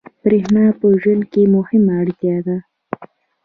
برېښنا په ژوند کې مهمه اړتیا ده.